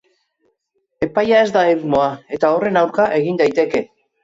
Epaia ez da irmoa, eta horren aurka egin daiteke.